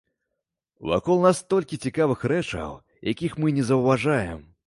Вакол нас столькі цікавых рэчаў, якіх мы не заўважаем!